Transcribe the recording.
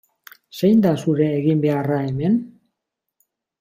Zein da zure eginbeharra hemen?